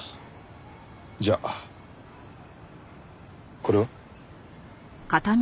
じゃあこれは？